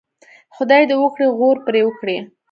خدای دې وکړي غور پرې وکړي.